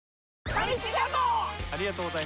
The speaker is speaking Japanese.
ファミチキジャンボ！